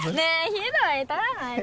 ひどい撮らないで